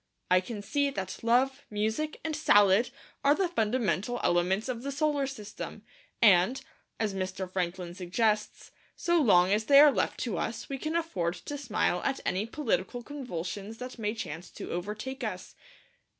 I can see that Love, Music, and Salad are the fundamental elements of the solar system; and, as Mr. Franklin suggests, so long as they are left to us we can afford to smile at any political convulsions that may chance to overtake us.